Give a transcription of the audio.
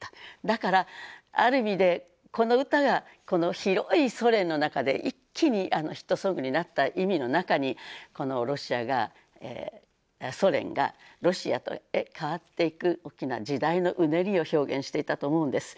だからある意味でこの歌がこの広いソ連の中で一気にヒットソングになった意味の中にこのソ連がロシアへ変わっていく大きな時代のうねりを表現していたと思うんです。